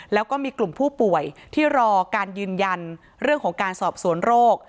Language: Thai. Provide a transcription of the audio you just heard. แล้วก็มีกลุ่มผู้ป่วยที่รอการยืนยันเรื่องของการสอบสวนโรค